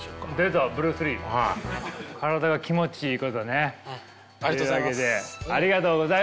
体が気持ちいいことね。というわけでありがとうございました。